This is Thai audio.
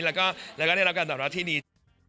แล้วก็ได้รับการตอบรับที่ดี